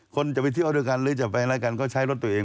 คนจะไปเที่ยวด้วยกันหรือจะไปอะไรกันก็ใช้รถตัวเอง